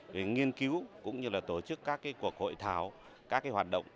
để nghiên cứu cũng như tổ chức các cuộc hội thảo các hoạt động